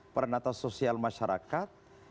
peranata sosial masyarakat